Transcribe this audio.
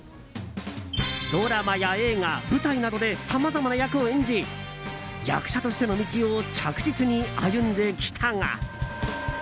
ドラマや映画、舞台などでさまざまな役を演じ役者としての道を着実に歩んできたが。